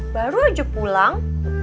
baru aja pulang